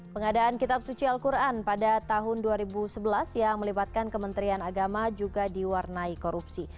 pengadaan kitab suci al quran pada tahun dua ribu sebelas yang melibatkan kementerian agama juga diwarnai korupsi